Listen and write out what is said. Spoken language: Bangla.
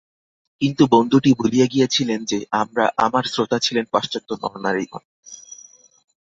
কিন্তু বন্ধুটি ভুলিয়া গিয়াছিলেন যে, আমার শ্রোতা ছিলেন পাশ্চাত্য নরনারীগণ।